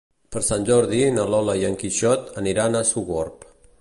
Per Sant Jordi na Lola i en Quixot aniran a Sogorb.